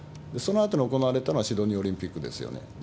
そのあとに行われたのがシドニーオリンピックですよね。